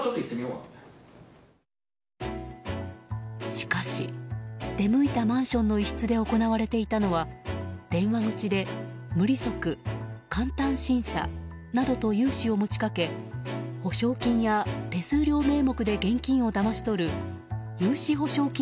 しかし、出向いたマンションの一室で行われていたのは電話口で無利息、簡単審査などと融資を持ちかけ保証金や手数料名目で現金をだまし取る融資保証金